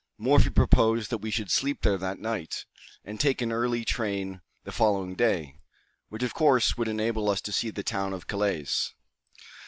Morphy proposed that we should sleep there that night, and take an early train the following day, which course would enable us to see the town of Calais.